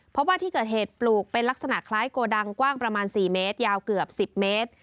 เพราะว่าที่เกิดเหตุปลูกเป็นลักษณะคล้ายโกดังกว้างประมาณ๔เมตรยาวเกือบ๑๐เมตร